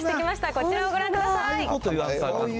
こちらをご覧ください。